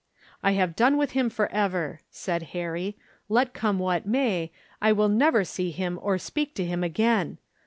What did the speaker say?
"I have done with him forever," said Harry. "Let come what may, I will never see him or speak to him again.